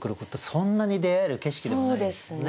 そんなに出会える景色でもないですもんね。